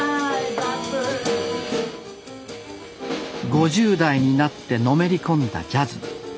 ５０代になってのめり込んだジャズ。